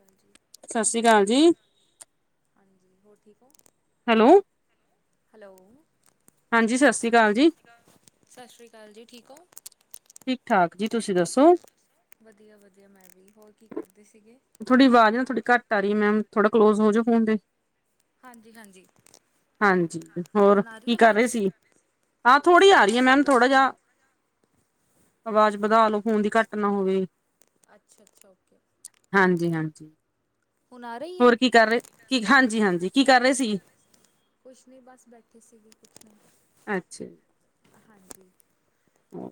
ਹਾਂਜੀ। ਸਸਸ਼੍ਰੀ ਅਕਾਲ ਜੀ। ਹਾਂਜੀ, ਹੋਰ ਠੀਕ ਓ? ਹੈਲੋ। ਹੈਲੋ, ਸਤਿ ਸ੍ਰੀ ਹਾਂਜੀ ਅਕਾਲ ਜੀ ਸਸ਼੍ਰੀ ਅਕਾਲ ਸਸ਼੍ਰੀ ਅਕਾਲ ਜੀ ਠੀਕ ਓ? ਠੀਕ ਠਾਕ ਜੀ ਤੁਸੀਂ ਦੱਸੋ ਵਧੀਆ, ਵਧੀਆ ਮੈਂ ਵੀ ਹੋਰ ਕੀ ਕਰਦੇ ਸੀਗੇ। ਥੋਡੀ ਆਵਾਜ਼ ਨਾ ਥੋੜੀ ਘੱਟ ਆ ਰਈ ਐ ਮੈਮ ਥੋੜਾ ਕਲੋਜ਼ ਹੋਜੋ ਫੋਨ ਦੇ। ਹਾਂਜੀ ਹਾਂਜੀ ਹਾਂਜੀ, ਹੋਰ ਹੁਣ ਆ ਰਹੀ ਕੀ ਕਰ ਰਏ ਆਵਾਜ਼ ਸੀ। ਹਾਂ, ਥੋੜ੍ਹੀ ਕੁਛ ਨਹੀਂ ਆ ਰਈ ਐ ਬਸ ਮੈਮ ਥੋੜ੍ਹਾ ਬੈਠੇ ਜਿਆ। ਹਾਂ ਆਵਾਜ਼ ਵਧਾ ਲੋ ਫੋਨ ਦੀ ਘੱਟ ਨਾ ਹੋਵੇ। ਅੱਛਾ-ਅੱਛਾ ਓਕੇ। ਹਾਂਜੀ-ਹਾਂਜੀ। ਹੁਣ ਆ ਰਹੀ ਆ ਹੋਰ ਕੀ ਕਰ ਰਏ ਕੀ ਹਾਂਜੀ-ਹਾਂਜੀ ਕੀ ਕਰ ਰਏ ਸੀ। ਕੁਛ ਨੀ ਬਸ ਬੈਠੇ ਸੀਗੇ ਕੁਛ ਨੀ। ਅੱਛਾ ਜੀ। ਹਾਂਜੀ। ਹੋਰ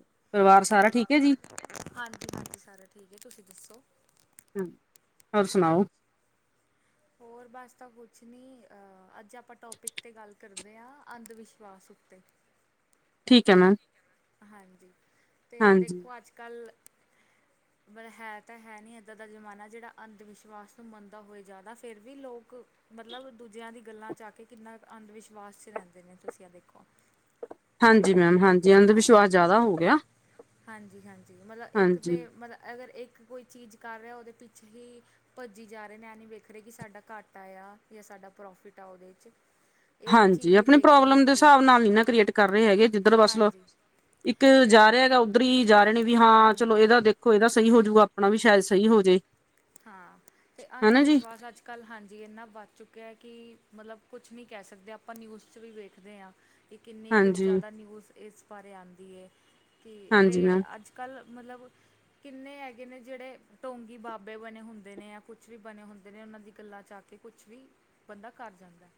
ਸਾਰਾ ਪਰਿਵਾਰ ਹੈ ਜੀ ਸਾਰਾ ਠੀਕ ਐ ਜੀ, ਹਾਂਜੀ-ਹਾਂਜੀ ਸਾਰਾ ਠੀਕ ਐ, ਤੁਸੀਂ ਦੱਸੋ? ਹਾਂ, ਹੋਰ ਸੁਣਾਓ? ਹੋਰ ਬਸ ਤਾਂ ਕੁਛ ਨਹੀਂ ਅੱਜ ਆਪਾਂ ਟੋਪਿਕ 'ਤੇ ਗੱਲ ਕਰਦੇ ਆ ਅੰਧ ਵਿਸ਼ਵਾਸ ਉੱਤੇ। ਠੀਕ ਐ ਮੈਮ। ਹਾਂਜੀ ਤੇ ਹਾਂਜੀ ਦੇਖੋ ਅੱਜ-ਕੱਲ੍ਹ ਮਤਲਬ ਹੈ ਤਾਂ ਹੈ ਨੀ ਇੱਦਾਂ ਦਾ ਜ਼ਮਾਨਾ ਜਿਹੜਾ ਅੰਧ ਵਿਸ਼ਵਾਸ ਨੂੰ ਮੰਨਦਾ ਹੋਏ ਜ਼ਿਆਦਾ ਫਿਰ ਵੀ ਲੋਕ ਮਤਲਬ ਦੂਜਿਆਂ ਦੀਆਂ ਗੱਲਾਂ 'ਚ ਆ ਕੇ ਕਿੰਨਾ ਅੰਧ ਵਿਸ਼ਵਾਸ 'ਚ ਰਹਿੰਦੇ ਨੇ ਤੁਸੀਂ ਆ ਦੇਖੋ। ਹਾਂਜੀ ਮੈਮ ਹਾਂਜੀ ਅੰਧ ਵਿਸ਼ਵਾਸ ਜ਼ਿਆਦਾ ਹੋ ਗਿਆ। ਹਾਂਜੀ-ਹਾਂਜੀ ਮਤਲਬ ਇੱਕ ਤੇ ਹਾਂਜੀ ਮਤਲਬ ਅਗਰ ਇੱਕ ਕੋਈ ਚੀਜ਼ ਕਰ ਰਿਹਾ ਉਹਦੇ ਪਿੱਛੇ ਹੀ ਭੱਜੀ ਜਾ ਰਹੇ ਨੇ ਇਹ ਨਹੀਂ ਵੇਖ ਰਹੇ ਕਿ ਸਾਡਾ ਘਾਟਾ ਆਂ ਜਾਂ ਸਾਡਾ ਪ੍ਰੋਫਿਟ ਆ ਉਹਦੇ 'ਚ ਇਹਦੀ ਹਾਂਜੀ ਚੀਜ਼ ਨਹੀਂ ਆਪਣੀ ਦੇਖਦੇ ਪ੍ਰੋਬਲਮ ਦੇ ਲੋਕੀ ਹਿਸਾਬ ਨਾਲ ਨੀ ਨਾ ਕ੍ਰੀਏਟ ਕਰ ਰਹੇ ਹੈਗੇ ਜਿੱਧਰ ਬਸ ਹਾਂਜੀ ਇੱਕ ਤੇ ਜਾ ਰਿਹਾ ਹੈਗਾ ਉੱਧਰ ਹੀ ਜਾ ਰਹੇ ਨੇ ਵੀ ਹਾਂ ਹੂੰ ਚਲੋ। ਇਹਦਾ ਦੇਖੋ ਇਹਦਾ ਸਹੀ ਹੋਜੂਗਾ ਆਪਣਾ ਵੀ ਸ਼ਾਇਦ ਸਹੀ ਹੋਜੇ। ਹਾਂ, ਤੇ ਅੰਧ ਵਿਸ਼ਵਾਸ ਅੱਜ-ਕੱਲ੍ਹ ਕੱਲ੍ਹ ਹਾਂਜੀ ਇੰਨਾ ਵੱਧ ਚੁੱਕਿਆ ਐ, ਕਿ ਮਤਲਬ ਕੁਛ ਨੀ ਕਹਿ ਸਕਦੇ ਆਪਾਂ ਨਿਊਜ਼ 'ਚ ਵੀ ਵੇਖਦੇ ਆ। ਕਿ ਇੱਕ ਕਿੰਨੀ ਕੁ ਹਾਂਜੀ ਜ਼ਿਆਦਾ ਨਿਊਜ਼ ਇਸ ਬਾਰੇ ਆਉਂਦੀ ਐ ਕਿ ਤੇ ਹਾਂਜੀ ਮੈਮ ਅੱਜ ਕੱਲ ਮਤਲਬ, ਕਿੰਨੇ ਹੈਗੇ ਨੇ ਜਿਹੜੇ ਟੌਂਗੀ ਬਾ ਬਾਬੇ ਬਣੇ ਹੁੰਦੇ ਨੇ ਜਾਂ ਕੁਛ ਵੀ ਬਣੇ ਹੁੰਦੇ ਨੇ ਉਹਨਾਂ ਦੀ ਗੱਲਾਂ 'ਚ ਆ ਕੇ ਕੁਛ ਵੀ। ਬੰਦਾ ਘਰ ਜਾਂਦਾ ਐ।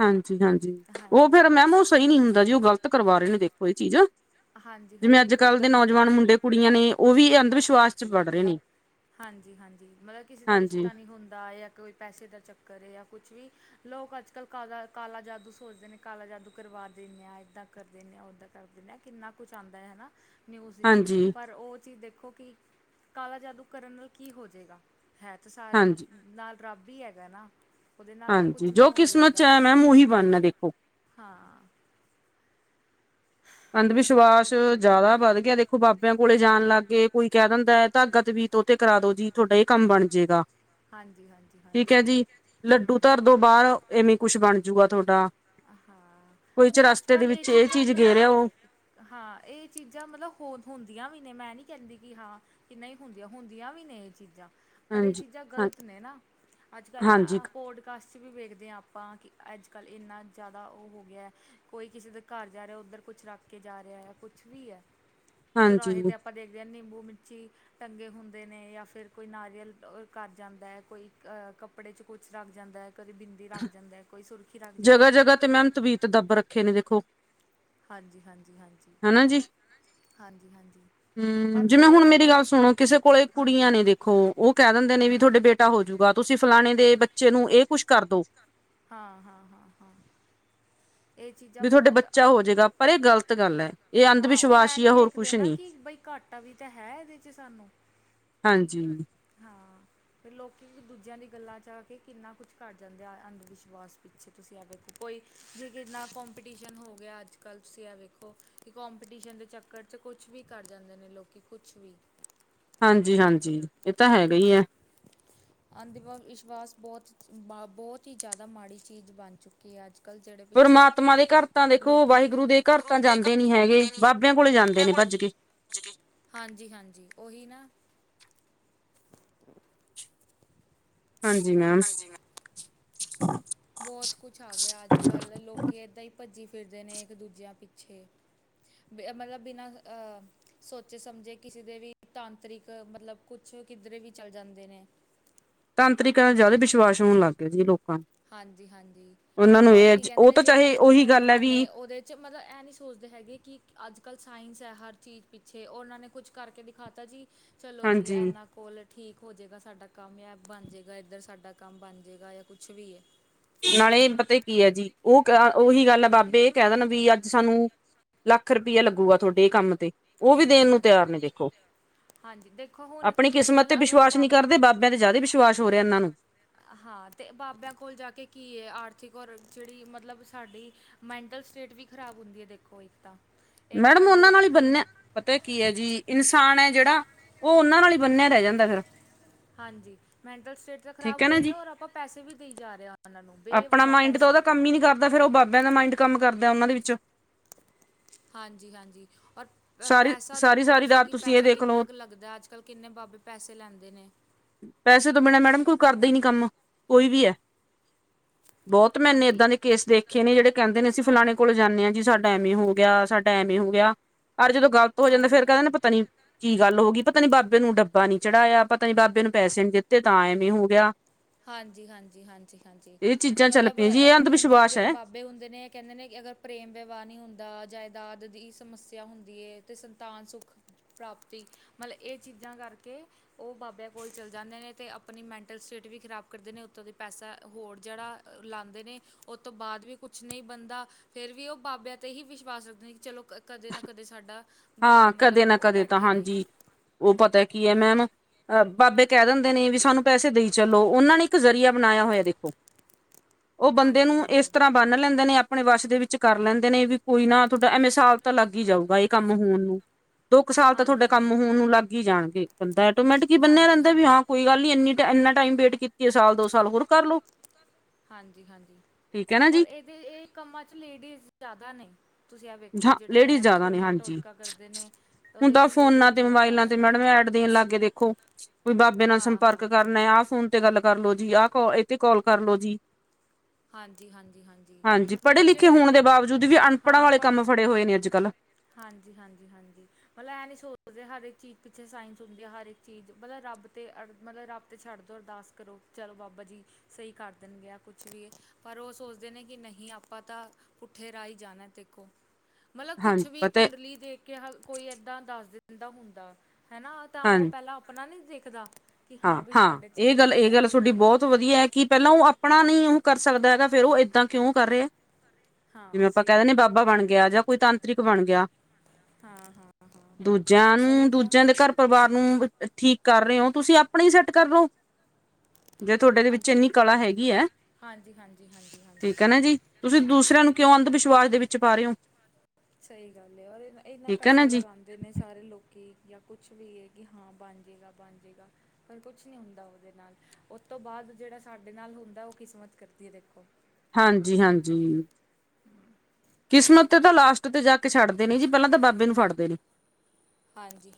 ਹਾਂਜੀ-ਹਾਂਜੀ, ਉਹ ਫੇਰ ਮੈਮ ਉਹ ਸਹੀ ਨੀ ਹੁੰਦਾ ਜੀ ਉਹ ਗ਼ਲਤ ਕਰਵਾ ਰਹੇ ਨੇ ਦੇਖੋ ਇਹ ਚੀਜ਼ਾ। ਹਾਂਜੀ ਜਿਵੇਂ ਹਾਂਜੀ ਗੱਲ ਅੱਜ-ਕੱਲ੍ਹ ਤਾਂ ਦੇ ਹੈਗੀ। ਨੌਜਵਾਨ ਮੁੰਡੇ ਕੁੜੀਆਂ ਨੇ ਉਹ ਵੀ ਅੰਧ ਵਿਸ਼ਵਾਸ ਚ ਵੜ ਰਹੇ ਨੇ। ਹਾਂਜੀ-ਹਾਂਜੀ ਮਤਲਬ ਕਿਸੇ ਦਾ ਹਾਂਜੀ ਰਿਸ਼ਤਾ ਨਹੀਂ ਹੁੰਦਾ ਜਾਂ ਕੋਈ ਪੈਸੇ ਦਾ ਚੱਕਰ ਜਾਂ ਕੁਛ ਵੀ। ਲੋਕ ਅੱਜ-ਕੱਲ੍ਹ ਕਾਲਾ-ਕਾਲਾ ਜਾਦੂ ਸੋਚਦੇ ਨੇ ਕਾਲਾ ਜਾਦੂ ਕਰਵਾ ਦਿੰਦੇ ਆ ਇੱਦਾਂ। ਕਰ ਦਿੰਦੇ ਆ ਉਹਦਾਂ ਕਰ ਦਿੰਦੇ ਆ ਕਿੰਨਾ ਕੁਛ ਆਂਦਾ ਹਨਾ। ਨਿਊਜ਼ ਵਿੱਚ ਹਾਂਜੀ ਪਰ ਉਹ ਚੀਜ਼ ਦੇਖੋ ਕਿ, ਕਾਲਾ ਜਾਦੂ ਕਰਨ ਨਾਲ ਕੀ ਹੋ ਜੇਗਾ। ਹੈ ਤੇ ਸਾਰੇ ਹਾਂਜੀ ਨਾਲ ਰੱਬ ਹੀ ਹੈਗਾ ਨਾ। ਉਹਦੇ ਨਾਲ ਤਾਂ ਹਾਂਜੀ ਕੁਛ ਨੀ ਜੋ ਹੋਣ ਕਿਸਮਤ ਚ ਲੱਗਾ, ਹੈ ਮੈਮ ਉਹੀ ਬਣਨਾ ਦੇਖੋ ਹਾਂ। ਅੰਧ ਅੱਜ ਵਿਸ਼ਵਾਸ ਕੱਲ ਜ਼ਿਆਦਾ ਵੱਧ ਗਿਆ ਦੇਖੋ ਬਾਬਿਆਂ ਕੋਲੇ ਜਾਣ ਲੱਗ ਗਏ। ਕੋਈ ਕਹਿ ਦਿੰਦਾ ਐ ਧਾਗਾ ਤਵੀਤ ਉਤੇ ਤੇ ਕਰਾ ਦੋ ਜੀ ਤੁਹਾਡਾ ਇਹ ਕੰਮ ਬਣ ਜੇਗਾ। ਹਾਂਜੀ-ਹਾਂਜੀ ਹਾ। ਠੀਕ ਐ ਜੀ ਲੱਡੂ ਧਰਦੋ ਬਾਹਰ ਐਵੇਂ ਕੁਛ ਬਣ ਜੂਗਾ ਤੁਹਾਡਾ ਹਾਂ ਕੋਈ ਚ ਨਹੀਂ ਰਸਤੇ ਦੇ ਅੱਜ-ਕੱਲ੍ਹ ਇਹ ਵਿੱਚ ਚੀਜ਼ਾਂ ਚੀਜ਼ ਮਤਲਬ ਗੇਰਿਆ ਉਹ ਹਾਂ ਇਹ ਚੀਜ਼ਾਂ ਮਤਲਬ ਹੋ ਹੁੰਦੀਆਂ ਵੀ ਨੇ ਮੈਂ ਨੀ ਕਹਿੰਦੀ ਕਿ ਹਾਂ। ਕਿੰਨਾ ਹੀ ਹੁੰਦੀਆਂ-ਹੁੰਦੀਆਂ ਵੀ ਨੇ ਇਹ ਚੀਜ਼ਾਂ ਹਾਂਜੀ। ਹਾਂ ਗਲਤ ਨੇ ਨਾ ਅੱਜ-ਕੱਲ੍ਹ ਮੈਂ ਹਾਂਜੀ ਆਪ ਪੋਡਕਾਸਟ 'ਚ ਵੀ ਵੇਖਦੇ ਹਾਂ ਆਪਾਂ ਕਿ ਅੱਜ-ਕੱਲ੍ਹ ਇੰਨਾ ਜ਼ਿਆਦਾ ਉਹ ਹੋ ਗਿਆ ਐ। ਕੋਈ ਕਿਸੇ ਦੇ ਘਰ ਜਾ ਰਿਹਾ ਉੱਧਰ ਕੁਛ ਰੱਖ ਕੇ ਜਾ ਰਿਹਾ ਐ ਕੁਛ ਵੀ ਐ। ਚੁਰਾਹੇ ਹਾਂਜੀ 'ਤੇ ਆਪਾਂ ਦੇਖਦੇ ਹਾਂ ਨਿੰਬੂ ਮਿਰਚੀ ਟੰਗੇ ਹੁੰਦੇ ਨੇ ਜਾਂ ਫਿਰ ਕੋਈ ਨਾਰੀਅਲ ਅ ਕਰ ਜਾਂਦਾ ਐ ਕੋਈ ਅ ਕੱਪੜੇ ਚ ਕੁਛ ਰੱਖ ਜਾਂਦਾ ਐ ਕਦੇ ਬਿੰਦ ਬੀਦੀ ਰੱਖ ਜਾਂਦਾ ਕੋਈ ਸੁਰਖੀ ਰੱਖ ਜਾਂਦਾ ਜਗ੍ਹਾ ਐ। ਜਗ੍ਹਾ ਮੈਮ ਤਵੀਤ ਤੇ ਦੱਬ ਰੱਖੇ ਨੇ ਦੇਖੋ। ਹਾਂਜੀ-ਹਾਂਜੀ-ਹਾਂਜੀ-ਹਾਂਜੀ-ਹਾਂਜੀ। ਹੂੰ ਜਿਵੇਂ ਹੁਣ ਮੇਰੀ ਗੱਲ ਸੁਣੋ ਕਿਸੇ ਕੋਲੇ ਹਾਂਜੀ ਕੁੜੀਆਂ ਨੇ ਦੇਖੋ ਉਹ ਕਹਿ ਦਿੰਦੇ ਨੇ ਵੀ ਹਾਂਜੀ ਤੁਹਾਡੇ ਬੇਟੇ ਟਾ ਹੋਜੂਗਾ। ਤੁਸੀ ਫਲਾਣੇ ਦੇ ਬੱਚੇ ਨੂੰ ਏ ਕੁੱਛ ਕਰ ਦੋ। ਹਾਂ-ਹਾਂ-ਹਾਂ-ਹਾਂ। ਏ ਚੀਜ਼ਾਂ ਵੀ ਤੁਹਾਡੇ ਬੋਹਤ, ਬੱਚਾ ਹੋ ਜਾਏਗਾ ਪਰ ਇਹ ਗ਼ਲਤ ਗੱਲ ਹੈ ਇਹ ਅੰਧ ਹਾਂ ਓ ਐ ਵਿਸ਼ਵਾਸ ਹੀ ਨੀ ਆ ਹੋਰ ਵੇਖਦੇ ਕੁਛ ਨਾ ਨੀ ਕਿ ਬਈ ਘਾ ਟਾ ਵੀ ਤਾਂ ਹੈ ਇਦੇ 'ਚ ਸਾਨੂੰ। ਹਾਂਜੀ। ਹਾਂ। ਫੇਰ ਲੋਕੀ ਵੀ ਦੂਜੇਆਂ ਦੀ ਗੱਲਾਂ 'ਚ ਆ ਕੇ ਕਿੰਨਾ ਕੁਛ ਕਰ ਜਾਂਦੇ ਆ ਐ ਅੰਧ ਵਿਸ਼ਵਾਸ ਪਿੱਛੇ। ਤੁਸੀ ਐ ਵੇਖੋ ਕੋਈ ਕ੍ਰਿਕਟ ਨਾਲ ਕੋਂਪੀਟੀਸ਼ਨ ਹੋ ਗਿਆ ਅੱਜ ਕਾੱਲ ਤੁਸੀ ਆ ਵੇਖੋ ਕਿ ਕੋਂਪੀਟੀਸ਼ਨ ਦੇ ਚੱਕਰ ਚ ਕੁਛ ਵੀ ਕਰ ਜਾਂਦੇ ਨੇ ਲੋਕੀ, ਕੁਛ ਵੀ। ਹਾਂਜੀ-ਹਾਂਜੀ ਏ ਤਾਂ ਹੈਗਾ ਹੂੰ ਈ ਐ। [unintelligible] ਅੰਧ ਵਾਦ ਵਿਸ਼ਵਾਸ ਬੋਹੋਤ ਬਾ ਬੋਹੋਤ ਈ ਜਾਦਾ ਮਾੜੀ ਚੀਜ਼ ਬਣ ਚੁੱਕੀ ਐ ਅੱਜ। ਕੱਲ੍ਹ ਜਿਹੜੇ ਪਿੱਛੇ ਪਰਮਾਤਮਾ ਦੇ ਘਰ ਤਾਂ ਵੇਖੋ, ਲੋਕ ਵਾਹਿਗੁਰੂ ਦੇ ਘਰ ਤਾਂ ਜਾਂਦੇ ਨੀ ਹੈਗੇ, ਬਾਬੇਆਂ ਕੋਲੇ ਜਾਂਦੇ ਨੇ ਭੱਜ ਕੇ। ਹਾਂਜੀ-ਹਾਂਜੀ ਓਹੀ ਨਾ। [unintelligible] ਹਾਂਜੀ ਮੈਮ। ਜਿਵੇਂ ਬੋਹੋਤ ਕੁਛ ਆ ਗਿਐ ਅੱਜ ਕਾੱਲ ਲੋਕੀ ਐਦਾਂ ਈ ਪੱਜੀ ਫਿਰਦੇ ਨੇ ਏੱਕ ਦੂਜੇਆਂ ਪਿੱਛੇ। ਬੇ ਮਤਲਬ ਬਿਨਾਂ ਅ ਸੋਚੇ ਸਮਝੇ ਕਿਸੇ ਦੇ ਵੀ ਤਾਂਤਰਿਕ ਮਤਲਬ ਕੁਛ ਕਿੱਧਰੇ ਵੀ ਚੱਲ ਜਾਂਦੇ ਨੇ। ਤਾਂਤਰਿਕਾਂ ਜਾਦਾ ਵਿਸ਼ਵਾਸ ਹੋਣ ਲੱਗ ਗਏ ਜੀ ਏ ਲੋਕ। ਹਾਂਜੀ-ਹਾਂਜੀ ਔਰ ਹੈ ਕੀ ਜ- ਕੈਂਦੇ ਉਹ ਨੇ ਤਾਂ ਜੜੇ ਚਾਹੇ ਅੱਜ ਕਾੱਲ ਉਹੀ ਗੱਲ ਹੈ ਨੌਜਵਾਨ ਵੀ ਨੇ ਓਦੇ ਚ ਮਤਲਬ ਐ ਨੀ ਸੋਚਦੇ ਹੈਗੇ ਕਿ ਅੱਜ ਕਾੱਲ ਸਾਇੰਸ ਐ ਹਰ ਚੀਜ਼ ਪਿੱਛੇ ਓਨਾਂ ਨੇ ਕੁਛ ਕਰਕੇ ਦਿਖਾਤਾ ਜੀ ਚਲੋ ਜੀ ਹਾਂਜੀ ਐਨਾਂ ਕੋਲ ਠੀਕ ਹੋ ਜੇਗਾ ਸਾਡਾ ਕੰਮ ਯਾਂ ਬਨ ਜੇਗਾ ਏਧਰ ਸਾਡਾ ਕੰਮ ਬਨ ਜੇਗਾ ਯਾਂ ਕੁਛ ਵੀ ਏ। ਨਾਲੇ ਪਤੇ ਕੀ ਐ ਜੀ ਓ ਕ ਓਹੀ ਗੱਲ ਐ ਬਾਬੇ ਏ ਕੈ ਦੇਨ ਵੀ ਅੱਜ ਸਾਨੂੰ ਲੱਖ ਰਪਇਆ ਲੱਗੂਗਾ ਥੁਆਡੇ ਏ ਕੰਮ ਤੇ ਓ ਵੀ ਹਾਂਜੀ ਦੇਨ ਨੂੰ ਹਾਂਜੀ ਤਿਆਰ ਨੇ ਹਾਂਜੀ ਦੇਖੋ। ਹਾਂਜੀ ਦੇਖੋ ਹੁਣ ਆਪਣੀ ਕਿਸਮਤ ਤੇ ਮਤਲਬ ਅਗਰ ਉਹ ਵਿਸ਼ਵਾਸ ਨੀ ਬਾਬੇ ਕਰਦੇ, ਬਾਬੇਆਂ ਤੇ ਜਾਦਾ ਈ ਵਿਸ਼ਵਾਸ ਹੋ ਰੇਆ ਏਨਾਂ ਨੂੰ। ਹਾਂ ਤੇ ਬਾਬੇਆਂ ਕੋਲ ਜਾ ਕੇ ਕੀ ਏ ਆਰਥਿਕ ਔਰ ਜੜੀ ਮਤਲਬ ਸਾਡੀ ਮੈਂਟਲ ਸਟੇਟ ਵੀ ਖਰਾਬ ਹੁੰਦੀ ਏ ਦੇਖੋ ਇੱਕ ਤਾਂ ਇੱਕ ਮੈਡਮ ਸਾਡੇ ਓਨਾਂ ਨਾਲ ਈ ਕੀ ਬੰਨਨੈ। ਪਤੈ ਕੀ ਐ ਜੀ ਇਨਸਾਨ ਐ ਜੜਾ ਓ ਓਨਾਂ ਨਾਲ ਈ ਬੰਨਿਆ ਰੈ ਜਾਂਦੈ ਫੇਰ। ਹਾਂਜੀ ਮੈਂਟਲ ਸਟੇਟ ਤਾਂ ਖਰਾਬ ਹੈ ਹੋ ਨਾ ਈ ਰੇਐ ਜੀ ਔਰ ਆਪਾਂ ਪੈਸੇ ਵੀ ਦੇਈ ਜਾ ਰਏ ਆਂ। ਆਪਣਾ ਮਾਇੰਡ ਤਾਂ ਓਦਾ ਕੰਮ ਈ ਨੀ ਕਰਦਾ ਫੇਰ ਓ ਬਾਬੇਆਂ ਦਾ ਮਾਇੰਡ ਕੰਮ ਕਰਦੈ ਓਨਾਂ ਦੇ ਵਿੱਚ। ਹਾਂਜੀ-ਹਾਂਜੀ ਪਰ ਪ੍ਰ ਸਾਰੀ ਪੈਸਾ ਸਾਰੀ ਦੇਖੋ ਸਾਰੀ ਤੁਸੀ ਰਾਤ ਕਿ ਤੁਸੀਂ ਇਹ ਪੈਸਾ ਦੇਖ ਕਿੰਨਾ ਲਓ ਕ ਲੱਗਦੈ ਅੱਜ ਕਾੱਲ ਕਿੰਨੇ ਬਾਬੇ ਪੈਸੇ ਲੈਂਦੇ ਨੇ। ਪੈਸੇ ਤੋਂ ਬਿਨਾਂ ਮੈਡਮ ਕੋਈ ਕਰਦੇ ਈ ਨੀ ਕੰਮ, ਕੋਈ ਵੀ ਐ। ਬੋਹੋਤ ਮੈਨੇ ਹਾਂਜੀ ਏਦਾਂ ਦੇ ਕੇਸ ਵੇਖੇ ਨੇ ਜੜੇ ਕੈਂਦੇ ਨੇ ਅਸੀ ਫਲਾਣੇ ਹਾਂਜੀ ਕੋਲ ਜਾਂਨੇ ਆਂ ਜੀ ਸਾਡਾ ਐਵੇਂ ਹੋ ਗੇਆ, ਸਾਡਾ ਐਵੇਂ ਹੋ ਗੇਆ ਔਰ ਜਦੋਂ ਗਲਤ ਹੋ ਜਾਂਦੈ ਫੇਰ ਹਾਂਜੀ ਕੈਂਦੇ ਨੇ ਹਾਂਜੀ ਪਤਾ ਨੀ ਕੀ ਗੱਲ ਹੋ ਗੀ, ਪਤਾ ਨੀ ਬਾਬੇ ਨੂੰ ਡੱਬਾ ਨੀ ਚੜਾਏਆ, ਪਤਾ ਨੀ ਬਾਬੇ ਨੂੰ ਪੈਸੇ ਨੀ ਦਿੱਤੇ ਤਾਂ ਐਵੇਂ ਹੋ ਗੇਆ। ਹਾਂਜੀ-ਹਾਂਜੀ-ਹਾਂਜੀ-ਹਾਂਜੀ ਇਹ ਚੀਜ਼ਾਂ ਚੱਲ ਮਤਲਬ ਪਈਆਂ ਜੀ ਐ ਇਹ ਅੰਧ ਪਖੰਡੀ ਵਿਸ਼ਵਾਸ ਜੜੇ ਹੈ ਬਾ ਬੇ ਹੁੰਦੇ ਨੇ ਕੈਂਦੇ ਨੇ ਕਿ ਅਗਰ ਪ੍ਰੇਮ ਵਿਵਾਹ ਨੀ ਹੁੰਦਾ, ਜਾਇਦਾਦ ਦੀ ਸਮੱਸਿਆ ਹੁੰਦੀ ਏ ਤੇ ਸੰਤਾਨ ਸੁੱਖ ਪ੍ਰਾਪਤੀ ਮਤਲਬ ਏਹ ਚੀਜ਼ਾਂ ਕਰਕੇ ਓ ਬਾਬੇਆਂ ਕੋਲ ਚਲ ਜਾਂਦੇ ਨੇ ਤੇ ਆਪਣੀ ਮੈਂਟਲ ਸਟੇ ਟ ਵੀ ਖ਼ਰਾਬ ਕਰਦੇ ਨੇ ਉੱਤੋਂ ਦੇ ਪੈਸਾ ਹੋਰ ਜੜਾ ਅ ਲਾਂਦੇ ਨੇ ਓਤੋਂ ਬਾਦ ਵੀ ਕੋਛ ਨਹੀਂ ਬਨਦਾ ਫੇਰ ਵੀ ਉਹ ਬਾਬਿਆਂ ਤੇ ਹੀ ਵਿਸ਼ਵਾਸ ਰੱਖਦੇ ਨੇ ਕਿ ਚਲੋ ਕਦੇ ਨਾ ਕਦੇ ਸਾਡਾ ਬਾ ਹਾਂ ਕਦੇ ਮਤਲਬ ਨਾ ਉਹ ਕਦੇ, ਤਾਂ ਬੈਠੇਗਾ ਹੀ ਹਾਂਜੀ ਉਹ ਪਤਾ ਕੀ ਐ ਮੈਮ ਅਹ ਬਾਬੇ ਕਹਿ ਦਿੰਦੇ ਨੇ ਵੀ ਸਾਨੂੰ ਪੈਸੇ ਦੇਈ ਚੱਲੋ ਉਹਨਾਂ ਨੇ ਇੱਕ ਜ਼ਰੀਆ ਬਣਾਇਆ ਹੋਇਆ ਦੇਖੋ। ਉਹ ਬੰਦੇ ਹਾਂਜੀ ਨੂੰ ਹਾਂਜੀ ਇਸ ਤਰ੍ਹਾਂ ਬੰਨ੍ਹ ਲੈਂਦੇ ਨੇ ਆਪਣੇ ਵਸ਼ ਦੇ ਵਿੱਚ ਕਰ ਲੈਂਦੇ ਨੇ ਵੀ ਕੋਈ ਨਾ ਤੁਹਾਡਾ ਐ ਸਾਲ ਤਾਂ ਲੱਗ ਹੀ ਜਾਊਗਾ ਇਹ ਕੰਮ ਹੋਣ ਨੂੰ ਦੋ ਕੁ ਸਾਲ ਤਾਂ ਤੁਹਾਡੇ ਹਾਂਜੀ ਕੰਮ ਹਾਂਜੀ ਹੋਣ ਨੂੰ ਲੱਗ ਹੀ ਜਾਣਗੇ ਬੰਦਾ ਐਟੋਮੈਂਟ ਕੀ ਬੰਨਿਆ ਹਾਂਜੀ ਰਹਿੰਦਾ ਵੀ ਹਾਂਜੀ ਹਾਂ। ਕੋਈ ਗੱਲ ਨੀ ਇੰਨੀ ਇੰਨਾ ਟਾਈਮ ਵੇਟ ਕੀਤੀ ਐ ਸਾਲ ਦੋ ਸਾਲ ਹੋਰ ਕਰ ਲੋ। ਹਾਂਜੀ-ਹਾਂਜੀ ਠੀਕ ਹੈ ਨਾ ਔਰ ਜੀ ਇਹਦੇ ਇਹ ਕੰਮਾਂ ਚ ਲੇਡੀਜ਼ ਜ਼ਿਆਦਾ ਨੇ, ਤੁਸੀਂ ਆ ਵੇਖੋ ਜਾਂ ਜਿਹੜੇ ਲੇਡੀਜ਼ ਇਹ ਜ਼ਿਆਦਾ ਨੇ ਟੂਣਾ ਹਾਂਜੀ ਟੋਟਕਾ ਕਰਦੇ ਨੇ ਹੁਣ ਉਹਦੇ ਤਾਂ 'ਚ ਫੋਨਾਂ ਲੇਡੀਜ਼ ਤੇ ਬਹੁਤ ਮੋਬਾਇਲਾਂ ਜ਼ਿਆਦਾ ਤੇ ਨੇ ਮੈਡਮ ਅੱਜ-ਕੱਲ੍ਹ ਐਡ ਦੇਣ ਲੱਗ ਦੇਖੋ ਕੋਈ ਬਾਬੇ ਨਾਲ ਸੰਪਰਕ ਕਰਨਾ ਆਹ ਫੋਨ ਤੇ ਗੱਲ ਕਰ ਲੋ ਜੀ ਆਹ ਇਹ ਤੇ ਕਾਲ ਕਰਲੋ ਜੀ। ਹਾਂਜੀ ਹਾਂਜੀ ਹਾਂਜੀ ਪੜ੍ਹੇ ਮਤਲਬ ਲਿਖੇ ਜਿਹੜੇ ਹੋਣ ਇਹਨੇ ਦੇ ਬਾਵਜੂਦ ਵੀ ਅਨਪੜ੍ਹਾਂ ਹਾਂ ਵਾਲੇ ਕੰਮ ਪੜ੍ਹੇ ਫੜੇ ਹੋਏ ਨੇ ਅੱਜ-ਕੱਲ੍ਹ, ਹਾਂਜੀ, ਹਾਂਜੀ, ਹਾਂਜੀ। ਮਤਲਬ ਇਹ ਨੀ ਸੋਚਦੇ ਹਰ ਇੱਕ ਚੀਜ਼ ਪਿੱਛੇ ਸਾਇੰਸ ਹੁੰਦੀ ਐ, ਹਰ ਇੱਕ ਚੀਜ਼ ਮਤਲਬ ਰੱਬ ਤੇ ਮਤਲਬ ਰੱ ਤੇ ਛੱਡ ਦਿਉ ਅਰਦਾਸ ਕਰੋ ਚਲੋ ਬਾਬਾ ਜੀ, ਸਹੀ ਕਰ ਦੇਣਗੇ ਕੁਛ ਵੀ ਪਰ ਉਹ ਸੋਚਦੇ ਨੇ ਕਿ ਨਹੀਂ ਆਪਾਂ ਤਾਂ ਪੁੱਠੇ ਰਾਹੀਂ ਜਾਣਾ ਦੇਖੋ। ਮਤਲਬ ਕੁਛ ਹਾਂਜੀ ਵੀ ਪਤਾ ਕੁੰਡਲੀ ਦੇਖ ਕੇ ਕੋਈ ਏਦਾਂ ਦੱਸ ਦਿੰਦਾ ਹੁੰਦਾ ਹਨਾ। ਤਾਂ ਉਹ ਪਹਿਲਾਂ ਆਪਣਾ ਨੀ ਦੇਖਦਾ। ਕਿ ਹਾਂ ਵੀ ਹਾਂ-ਹਾਂ ਸਾਡੇ 'ਚ ਇਹ ਕੀ ਗੱਲ ਇਹ ਲਿਖਿਆ ਗੱਲ ਤੁਹਾਡੀ ਬਹੁਤ ਵਧੀਆ ਐ ਕਿ ਪਹਿਲਾਂ ਉਹ ਆਪਣਾ ਨੀ ਉਹ ਕਰ ਸਕਦਾ ਹੈਗਾ। ਫੇਰ ਉਹ ਏਦਾਂ ਕਿਉਂ ਕਰ ਹਾਂ ਰਿਹਾ, ਜਿਵੇਂ ਹਾਂ ਆਪਾਂ ਸਹੀ ਕਹਿ ਦਿੰਦੇ ਗੱਲ ਹੈ ਬਾਬਾ ਬਣ ਗਿਆ, ਜਾਂ ਕੋਈ ਤਾਂਤਰਿਕ ਬਣ ਗਿਆ। ਹਾਂ-ਹਾਂ, ਦੂਜਿਆਂ ਨੂੰ ਦੂਜਿਆਂ ਦੇ ਘਰ ਪਰਿਵਾਰ ਨੂੰ ਠੀਕ ਕਰ ਰਹੇ ਓ ਤੁਸੀਂ ਆਪਣਾ ਸੈਟ ਕਰਲੋ। ਜੇ ਤੁਹਾਡੇ ਦੇ ਵਿੱਚ ਹਾਂਜੀ ਇੰਨੀ ਕਲਾ ਹੈਗੀ ਐ, ਹਾਂਜੀ ਹਾਂਜੀ ਹਾਂਜੀ ਠੀਕ ਏ ਹਾਂਜੀ ਨਾ ਜੀ ਤੁਸੀਂ ਦੂਸਰਿਆਂ ਨੂੰ ਕਿਉਂ ਅੰਧ ਵਿਸ਼ਵਾਸ ਦੇ ਵਿੱਚ ਪਾ ਰਹੇ ਓ। ਸਹੀ ਗੱਲ ਏ ਔਰ ਇੰਨਾ ਹੈ ਪੈਸਾ ਨਾ ਜੀ ਲਗਾਦੇ। ਜਿਹੇ ਸਾਰੇ ਲੋਕੀ ਜਾਂ ਕੁਛ ਵੀ ਐ ਕਿ ਹਾਂ ਬਣ ਜਾਵੇਗਾ ਬਣ ਜਾਵੇਗਾ। ਪਰ ਕੁਛ ਨਹੀਂ ਹੁੰਦਾ ਉਹਦੇ ਨਾਲ ਉਸ ਤੋਂ ਬਾਅਦ ਜਿਹੜਾ ਸਾਡੇ ਨਾਲ ਹੁੰਦਾ ਉਹ ਕਿਸਮਤ ਕਰਦੀ ਐ ਦੇਖੋ। ਹਾਂਜੀ-ਹਾਂਜੀ। ਕਿਸਮਤ ਤੇ ਤਾਂ ਲਾਸਟ ਤੇ ਜਾ ਕੇ ਛੱਡਦੇ ਨੇ ਜੀ ਪਹਿਲਾਂ ਤਾਂ ਬਾਬੇ ਨੂੰ ਫੜਦੇ ਨੇ। ਹਾਂਜੀ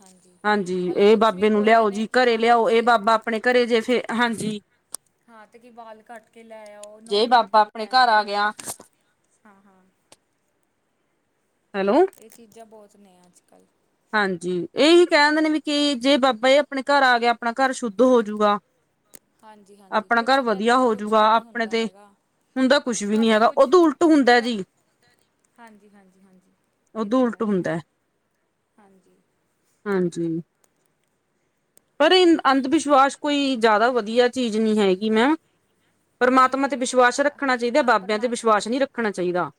ਹਾਂਜੀ ਮਤਲਬ ਇਹ ਕੁਛ ਵੀ ਬਾਬੇ ਨੂੰ ਬੋਲਦੇ ਲਿਆਓ ਨੇ ਜੀ ਕਿ ਘਰੇ ਹਾਂ ਲਿਆਓ ਇਹ ਕਿ ਬਾਬਾ ਆਪਾਂ ਆਪਣੇ ਘਰੇ ਜੇ ਫੇ ਹਾਂਜੀ। ਹਾਂ ਤਾਂ ਕੀ ਬਾਲ ਕੱਟ ਕੇ ਲੈ ਆਓ ਨੋ ਜੇ ਕੱਟ ਬਾਬਾ ਕੇ ਆਪਣੇ ਲੈ ਘਰ ਆ ਆਓ। ਗਿਆ ਹਾਂ-ਹਾਂ, ਹੈਲੋ ਇਹ ਚੀਜ਼ਾਂ ਬਹੁਤ ਨੇ ਅੱਜ-ਕੱਲ੍ਹ ਹਾਂਜੀ ਇਹੀ ਕਹਿਣ ਦੇ ਨੇ ਵੀ ਕਿ ਜੇ ਬਾਬਾ ਇਹ ਆਪਣੇ ਘਰ ਆ ਗਿਆ ਆਪਣਾ ਘਰ ਸ਼ੁੱਧ ਹੋਜੂਗਾ। ਹਾਂਜੀ-ਹਾਂਜੀ ਆਪਣਾ ਕੁਛ ਘਰ ਨੀ ਵਧੀਆ ਏਦਾਂ ਦਾ ਕੁਛ ਹੋਜੂਗਾ ਵੀ ਨੀ ਆਪਣੇ ਹੁੰਦਾ ਤੇ ਹੈਗਾ। ਹੁੰਦਾ ਕੁਛ ਵੀ ਸਭ ਨੀ ਹੈਗਾ ਕੁਛ ਉਦੋਂ ਉਲਟ ਹੁੰਦਾ ਸਭ ਜੀ ਹਾਂਜੀ-ਹਾਂਜੀ-ਹਾਂਜੀ ਇਹ ਉਦੋਂ ਤਾਂ ਉਲਟ ਹੈ ਹੁੰਦਾ ਹਾਂਜੀ। ਹਾਂਜੀ। ਪਰ ਅੰਧ ਵਿਸ਼ਵਾਸ ਕੋਈ ਜ਼ਿਆਦਾ ਵਧੀਆ ਚੀਜ਼ ਨੀ ਹੈਗੀ ਮੈਮ। ਨਹੀਂ ਪਰਮਾਤਮਾ ਨਹੀਂ ਤੇ ਵਿਸ਼ਵਾਸ ਰੱਖਣਾ ਚਾਹੀਦਾ ਹਾਂ ਬਾਬਿਆਂ ਤੇ ਪਰਮਾਤਮਾ ਵਿਸ਼ਵਾਸ ਨਹੀਂ ਵਿਸ਼ ਰੱਖਣਾ ਚਾਹੀਦਾ।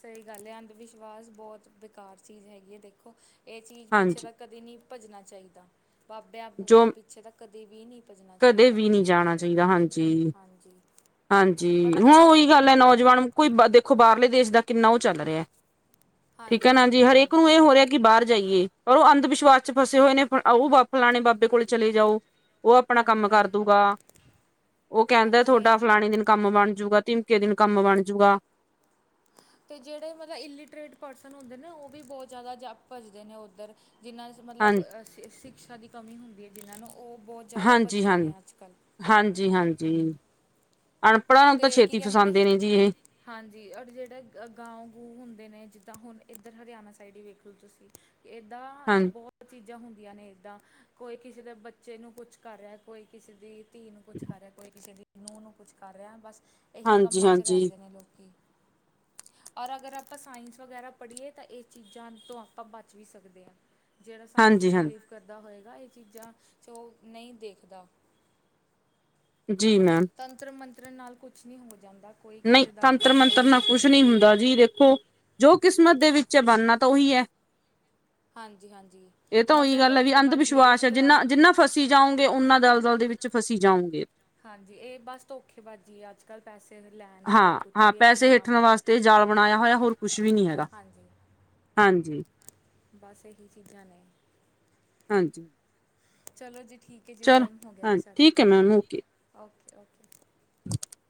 ਸਹੀ ਗੱਲ ਐ ਅੰਧ ਵਿਸ਼ਵਾਸ ਬਹੁਤ ਬੇਕਾਰ ਚੀਜ਼ ਹੈਗੀ ਐ ਦੇਖੋ ਇਹ ਚੀਜ਼ ਪਿੱਛੇ ਤ ਹਾਂਜੀ ਕਦੇ ਨਹੀਂ ਭੱਜਣਾ ਚਾਹੀਦਾ ਬਾਬਿਆਂ ਜੋ ਬੂਬਿਆਂ ਪਿੱਛੇ ਤਾਂ ਕਦੇ ਵੀ ਨਹੀਂ ਭੱਜਣਾ ਕਦੇ ਚਾਹੀਦਾ ਵੀ ਨੀ ਜਾਣਾ ਚਾਹੀਦਾ ਹਾਂਜੀ। ਹਾਂਜੀ ਹਾਂਜੀ ਪਤਾ ਹੁਣ ਨਹੀਂ ਲੋਕੀ ਉਹੀ ਗੱਲ ਐ ਕਿੱਦਾਂ ਮੰਨ ਨੌਜਵਾਨ ਕੋਈ ਦੇਖੋ ਬਾਹਰਲੇ ਦੇਸ਼ ਦਾ ਕਿੰਨਾ ਉਹ ਚੱਲ ਰਿਹਾ। ਠੀਕ ਐ ਹਾਂਜੀ ਨਾ ਜੀ ਹਾਂਜੀ ਹਰੇਕ ਹਾਂਜੀ ਨੂੰ ਇਹ ਹੋ ਰਿਹਾ ਕਿ ਬਾਹਰ ਜਾਈਏ ਪਰ ਉਹ ਅੰਧ ਵਿਸ਼ਵਾਸ ਚ ਫਸੇ ਹੋਏ ਨੇ ਉਹ ਫਲਾਣੇ ਬਾਬੇ ਕੋਲ ਚਲੇ ਜਾਓ। ਉਹ ਆਪਣਾ ਹਾਂਜੀ ਕੰਮ ਕਰ ਹਾਂਜੀ ਦੂਗਾ ਉਹ ਕਹਿੰਦਾ ਹਾਂਜੀ ਤੁਹਾਡਾ ਇਹ ਫਲਾਣੇ ਦਿਨ ਕੰਮ ਬਣ ਜੂਗਾ ਤਿਮਕੇ ਦਿਨ ਕੰਮ ਬਣਜੂਗਾ। ਅਤੇ ਜਿਹੜੇ ਮਤਲਬ ਇਲਿਟਰੇਟ ਪਰਸਨ ਹੁਦੇ ਨੇ ਉਹ ਵੀ ਬਹੁਤ ਜ਼ਿਆਦਾ ਭਜਦੇ ਨੇ ਉੱਧਰ ਜਿਹਨਾਂ ਹਾਂ ਮਤਲਬ ਸ਼ਿਕਸ਼ਾ ਦੀ ਕਮੀ ਹੁੰਦੀ ਐ ਜਿਹਨ੍ਹਾਂ ਨੂੰ ਉਹ ਬਹੁਤ ਜ਼ਿਆਦਾ ਹਾਂਜੀ ਭੱਜਦੇ ਹਾਂ ਨੇ ਅੱਜ ਕੱਲ੍ਹ ਹਾਂਜੀ, ਹਾਂਜੀ ਅਣ ਤੇ ਕੀ ਕਹਿੰਦੇ ਨੇ ਹਾਂਜੀ ਔਰ ਜਿਹੜੇ ਗਾਉਂ ਗੂ ਹੁੰਦੇ ਨੇ ਜਿੱਦਾਂ ਹੁਣ ਇੱਧਰ ਹਰਿਆਣਾ ਸਾਈਡ ਹੀ ਵੇਖ ਲਓ ਤੁਸੀਂ ਇਦਾ ਹਾਂ ਬਹੁਤ ਚੀਜ਼ਾਂ ਹੁੰਦੀਆਂ ਨੇ ਇੱਦਾਂ ਕੋਈ ਕਿਸੇ ਦੇ ਬੱਚੇ ਨੂੰ ਕੁਛ ਕਰ ਰਿਹਾ ਕੋਈ ਕਿਸੇ ਦੀ ਧੀ ਨੂੰ ਕੁਛ ਕਰ ਰਿਹਾ ਕੋਈ ਕਿਸੇ ਦੀ ਨੂੰਹ ਨੂੰ ਕੁੱਛ ਕਰ ਰਿਹਾ ਬਸ ਇਹੀ ਹਾਂਜੀ ਕੰਮਾਂ 'ਚ ਹਾਂਜੀ ਰਹਿੰਦੇ ਨੇ ਲੋਕੀ ਔਰ ਅਗਰ ਆਪਾਂ ਸਾਇੰਸ ਵਗੈਰਾ ਪੜ੍ਹੀਏ ਤਾਂ ਇਹ ਚੀਜ਼ਾਂ ਤੋਂ ਆਪਾਂ ਬਚ ਵੀ ਸਕਦੇ ਹਾਂ। ਜਿਹੜਾ ਸਾਇੰਸ ਚ ਹਾਂਜੀ ਬਿਲੀਵ ਹਾਂਜੀ ਕਰਦਾ ਹੋਏਗਾ ਇਹ ਚੀਜ਼ਾਂ ਚ ਉਹ ਨਹੀਂ ਦੇਖਦਾ। ਜੀ ਮੈਮ। ਤੰਤਰ ਮੰਤਰ ਨਾਲ ਕੁਛ ਨਹੀਂ ਹੋ ਜਾਂਦਾ। ਕੋਈ ਨਹੀਂ ਕਿਸੇ ਦਾ ਤੰਤਰ ਘਾਟਾ ਮੰਤਰ ਨਹੀਂ ਨਾਲ ਹੁੰਦਾ ਕੁਛ ਨਹੀਂ ਹੁੰਦਾ ਜੀ ਦੇਖੋ ਜੋ ਕਿਸਮਤ ਦੇ ਵਿੱਚ ਐ ਬਣਨਾ ਤਾਂ ਉਹੀ ਐ। ਹਾਂਜੀ ਹਾਂਜੀ ਇਹ ਤਾਂ ਬਸ ਉਹੀ ਗੱਲ ਐ ਵੀ ਅੰਧ ਧੋਖੇਬਾਜ਼ੀ ਹੈ ਵਿਸ਼ਵਾਸ ਇੱਕ ਐ ਤਰ੍ਹਾਂ ਜਿੰਨਾ, ਦੀ ਜਿੰਨਾ ਫਸੀ ਜਾਉਗੇ ਉਹਨਾਂ ਦਲ-ਦਲ ਦੇ ਵਿੱਚ ਫਸੀ ਜਾਊਗੇ। ਹਾਂਜੀ ਇਹ ਬਸ ਧੋਖੇ ਬਾਜ਼ੀ ਆ ਅੱਜ ਕੱਲ੍ਹ ਪੈਸੇ ਲੈਣ ਦੀ ਜਾਂ ਕੁਛ ਹਾਂ-ਹਾਂ ਵੀ ਹੈ ਕਿ ਪੈਸੇ ਹਾਂ ਹੇਠਣ ਬਈ ਵਾਸਤੇ ਜਾਲ ਬਣਾਇਆ ਹੋਇਆ ਹੋਰ ਕੁਛ ਵੀ ਨਹੀਂ ਹੈਗਾ। ਹਾਂਜੀ ਹਾਂਜੀ। ਬਸ ਇਹੀ ਚੀਜ਼ਾਂ ਨੇ ਹਾਂਜੀ। ਚਲੋ ਜੀ ਠੀਕ ਐ ਜੀ ਚਲੋ ਟਾਈਮ ਹੋ ਗਿਆ ਜੀ ਹਾਂਜੀ ਸਾਡਾ, ਠੀਕ ਹੈ ਮੈਮ ਓਕੇ ਓਕੇ-ਓਕੇ। [unintelligible]